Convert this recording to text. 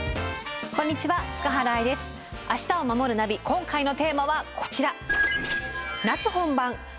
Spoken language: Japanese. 今回のテーマはこちら。